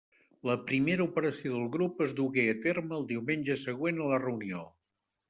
La primera operació del grup es dugué a terme el diumenge següent a la reunió.